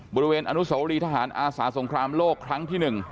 บริเวณอนุสวรีทหารอาสาสงครามโลกครั้งที่๑